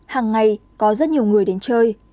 hàng ngày có rất nhiều người đến chơi